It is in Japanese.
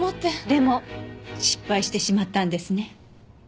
でも失敗してしまったんですね。